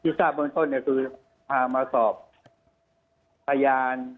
ทราบเบื้องต้นเนี่ยคือพามาสอบพยาน